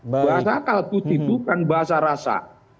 bahasa akal putih bukan bahasa rasa